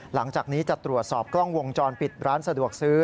หลังจากนี้จะตรวจสอบกล้องวงจรปิดร้านสะดวกซื้อ